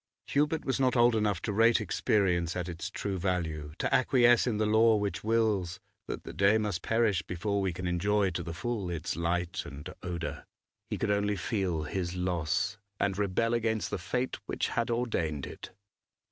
Hubert was not old enough to rate experience at its true value, to acquiesce in the law which wills that the day must perish before we can enjoy to the full its light and odour. He could only feel his loss, and rebel against the fate which had ordained it.